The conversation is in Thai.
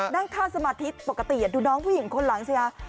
นั่งท่าสมาธิปกติดูน้องผู้หญิงคนหลังสิฮะ